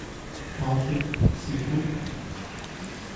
」我説「是的。」